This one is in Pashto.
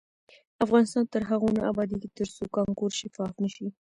افغانستان تر هغو نه ابادیږي، ترڅو کانکور شفاف نشي.